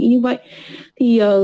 y như vậy